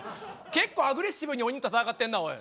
結構アグレッシブに鬼と戦ってんなおい。